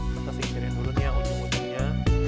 kita simpirin dulu nih ujung ujungnya